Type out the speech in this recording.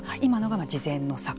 今のが次善の策。